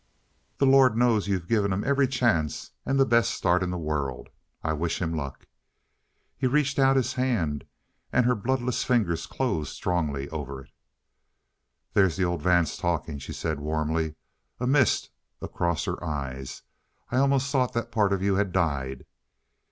The Lord knows you've given him every chance and the best start in the world. I wish him luck!" He reached out his hand, and her bloodless fingers closed strongly over it. "There's the old Vance talking," she said warmly, a mist across her eyes. "I almost thought that part of you had died."